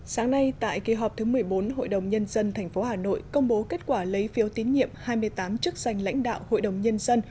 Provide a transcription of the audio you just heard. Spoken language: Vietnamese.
sáng nay tại kỳ họp thứ một mươi bốn hội đồng nhân dân tp hà nội công bố kết quả lấy phiếu tín nhiệm hai mươi tám chức danh lãnh đạo hội đồng nhân dân